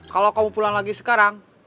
kalau kamu pulang lagi sekarang